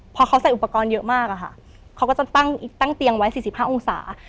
พอเขาใส่อุปกรณ์เยอะมากอะค่ะเขาก็จะตั้งเตียงไว้๔๕องศา